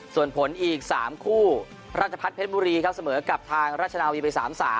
ส่วนผลอีก๓คู่ราชพัฒนเพชรบุรีครับเสมอกับทางราชนาวีไป๓๓